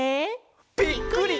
「ぴっくり！